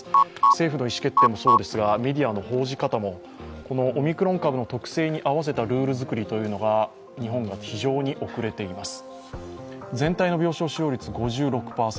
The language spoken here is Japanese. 政府の意思決定もそうですが、メディアの報じ方もオミクロン株の特性に合わせたルール作りが日本が非常に遅れています。